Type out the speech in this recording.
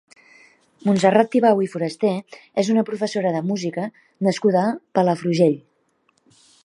Montserrat Tibau i Foraster és una professora de música nascuda a Palafrugell.